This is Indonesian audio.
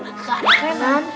gak ada kenan